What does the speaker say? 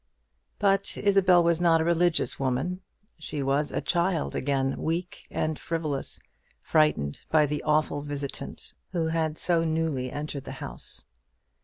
But Isabel was not a religious woman. She was a child again, weak and frivolous, frightened by the awful visitant who had so newly entered that house.